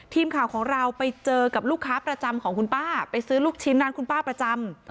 ทีมข่าวของเราไปเจอกับลูกค้าประจำของคุณป้าไปซื้อลูกชิ้นร้านคุณป้าประจำ